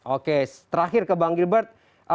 oke terakhir ke bang gilbert